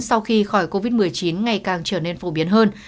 sau khi khỏi covid một mươi chín ngày càng trở nên phổ biến hơn